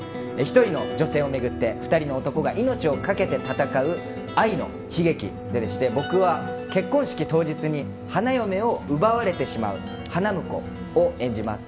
１人の女性を巡って２人の男が命をかけて戦う愛の悲劇で、僕は結婚式当日に花嫁を奪われてしまう花婿を演じます。